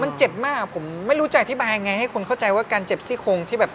มันเจ็บมากผมไม่รู้จะอธิบายยังไงให้คนเข้าใจว่าการเจ็บซี่โครงที่แบบ